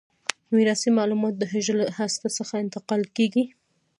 میراثي معلومات د حجره له هسته څخه انتقال کیږي.